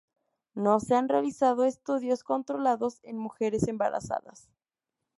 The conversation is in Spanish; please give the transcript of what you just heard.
No se han realizado estudios controlados en mujeres embarazadas.